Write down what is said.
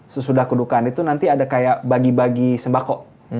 sesudah kedukaan itu nanti ada kayak bagi bagi sembako